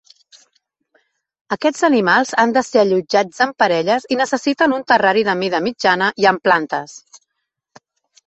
Aquests animals han de ser allotjats en parelles i necessiten un terrari de mida mitjana i amb plantes.